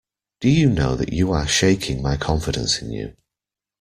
Do you know that you are shaking my confidence in you.